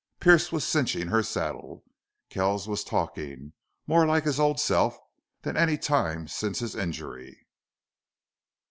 Pearce was cinching her saddle. Kells was talking, more like his old self than at any time since his injury.